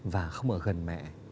và không ở gần mẹ